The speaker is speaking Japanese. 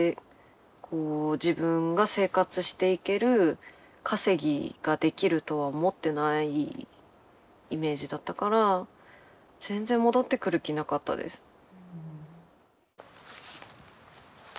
自分が生活していける稼ぎができるとは思ってないイメージだったから全然戻ってくる気なかったです。